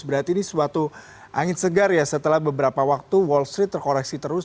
berarti ini suatu angin segar ya setelah beberapa waktu wall street terkoreksi terus